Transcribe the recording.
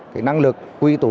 cái năng lực quy tù